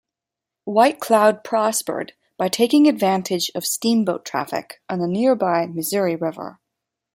White Cloud prospered by taking advantage of steamboat traffic on the nearby Missouri River.